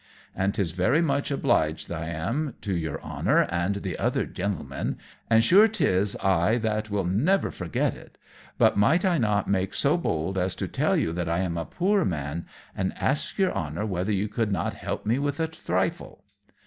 "And 'tis very much obleged that I am to your honer and the other gintlemen, and sure 'tis I that will never forget it; but might I not make so bold as to tell you that I am a poor man, and ask your honour whether you could not help me with a thrifle?"